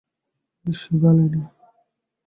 মেয়েদের সে বালাই নেই।